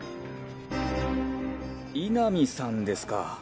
井波さんですか。